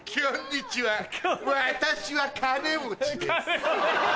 にちは私は金持ちです。